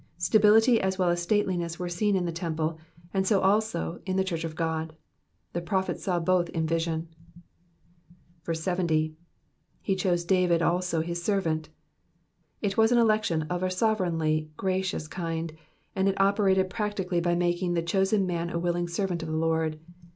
Stability as well as stateliness were seen in the temple, and so also in the church of Qod. The prophet saw both in vision. 70. i/d chose David also his servant.'*'* It was an election of a sovereignly gracious kind, and it operated practically by making the chosen man a willing servant of the Lord.